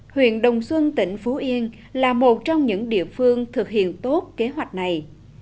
huyện đồng xuân tỉnh phú yên là một trong những địa phương thực hiện tốt kế hoạch này